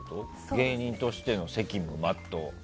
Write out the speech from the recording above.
芸人としての責務全う。